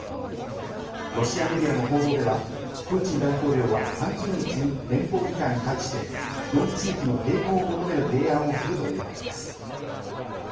ロシアメディアの報道ではプーチン大統領は３０日に連邦議会に対して４地域の併合を求める提案をするということです。